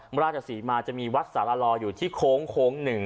มาราชศรีมาศจะมีวัดสาระลออยู่ที่โค้ง๑